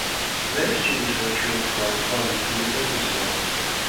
Lay students were trained for employment in the business world.